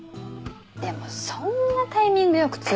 でもそんなタイミング良く通報なんて。